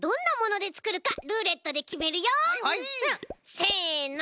せの。